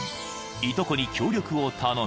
いとこに協力を頼み